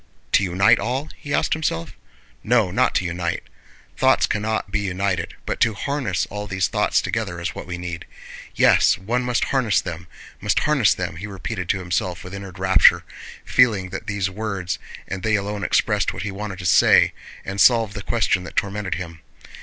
To unite all?" he asked himself. "No, not to unite. Thoughts cannot be united, but to harness all these thoughts together is what we need! Yes, one must harness them, must harness them!" he repeated to himself with inward rapture, feeling that these words and they alone expressed what he wanted to say and solved the question that tormented him.